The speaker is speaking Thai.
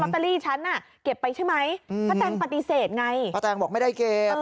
เตอรี่ฉันน่ะเก็บไปใช่ไหมป้าแตงปฏิเสธไงป้าแตงบอกไม่ได้เก็บ